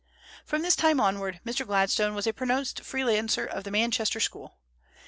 From this time onward Mr. Gladstone was a pronounced free trader of the Manchester school.